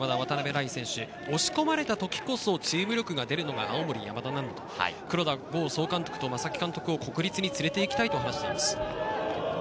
依選手、押し込まれた時こそチーム力が出るのが青森山田だと、黒田剛総監督と正木監督を国立に連れて行きたいと話しています。